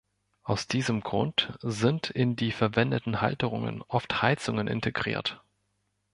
Aus diesem Grund sind in die verwendeten Halterungen oft Heizungen integriert.